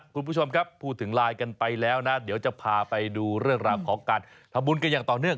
คุณผู้ชมครับพูดถึงไลน์กันไปแล้วนะเดี๋ยวจะพาไปดูเรื่องราวของการทำบุญกันอย่างต่อเนื่อง